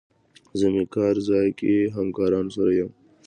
زه مې کار ځای کې همکارانو سره یم.